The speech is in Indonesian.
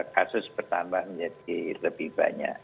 kasus bertambah menjadi lebih banyak